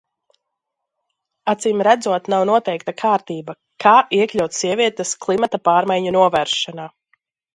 Acīmredzot nav noteikta kārtība, kā iekļaut sievietes klimata pārmaiņu novēršanā.